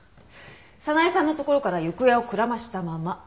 早苗さんのところから行方をくらましたまま。